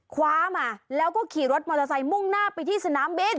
คว้ามาแล้วก็ขี่รถมอเตอร์ไซค์มุ่งหน้าไปที่สนามบิน